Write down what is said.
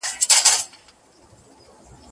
چي ګیدړان راځي د شنه زمري د کور تر کلي